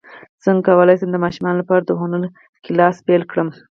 څنګه کولی شم د ماشومانو لپاره د هنر کلاس پیل کړم